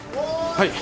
はい。